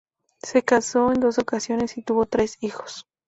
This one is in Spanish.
Se casó en dos ocasiones y tuvo tres hijos.